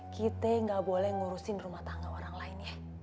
kita gak boleh ngurusin rumah tangga orang lain